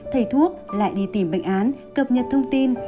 thầy thuốc lại đi tìm bệnh án cập nhật thông tin